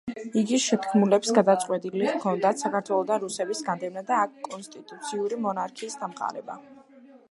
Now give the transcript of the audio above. იგი შეთქმულებს გადაწყვეტილი ჰქონდათ საქართველოდან რუსების განდევნა და აქ კონსტიტუციური მონარქიის დამყარება.